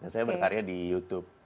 saya berkarya di youtube